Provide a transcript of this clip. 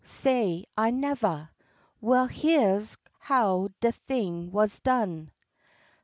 Say, I nevah? Well heah's how de thing wuz done.